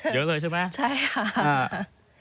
เยอะเลยใช่ไหม